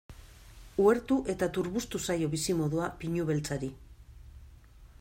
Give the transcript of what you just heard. Uhertu eta turbustu zaio bizimodua pinu beltzari.